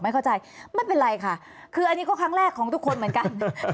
เข้าใจไม่เป็นไรค่ะคืออันนี้ก็ครั้งแรกของทุกคนเหมือนกัน